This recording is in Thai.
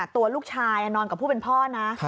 ตัวลูกชายนอนกับผู้เป็นพ่อนะ